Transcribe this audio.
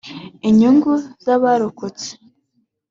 inyungu z’abarokotse